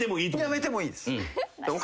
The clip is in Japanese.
やめてもいいです。